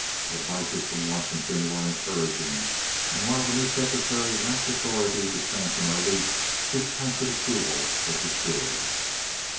Advices from Washington were encouraging, and while the new secretary lacked authority to sanction our lease, his tacit approval was assured.